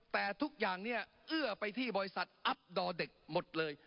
แต่ทุกอย่างเนี่ยเอื้อไปที่บริษัทอัพดอร์เด็กหมดเลย